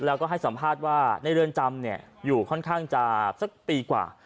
แล้วก็ให้สัมภาษณ์ว่าในเรือนจำอยู่ค่อนข้างจะสักปีกว่า